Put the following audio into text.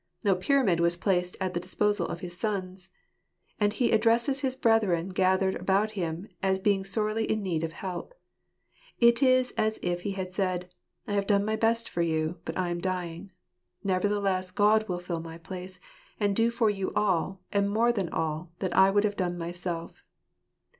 No pyramid was placed at the disposal of his sons. And he addresses his brethren gathered about him as being sorely in need of help. It is as if he had said :" I have done my best for you, but I am dying ; nevertheless God will fill my place, and do for you all, and more than all, that I would have done myself."